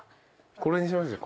これにします。